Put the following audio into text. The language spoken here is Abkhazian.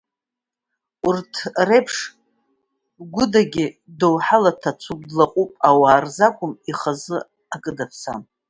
Урҭ реиԥш Гәыдагьы доуҳала дҭацәуп, длаҟәуп, ауаа рзы акәым ихазгьы акы даԥсам.